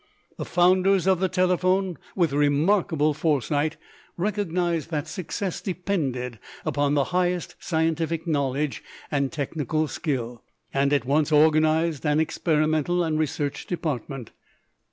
The founders of the telephone, with remarkable foresight, recognized that success depended upon the highest scientific knowledge and technical skill, and at once organized an experimental and research department.